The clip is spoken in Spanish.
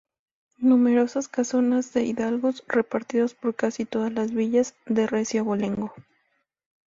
Numerosas casonas de hidalgos repartidos por casi todas las villas, de recio abolengo.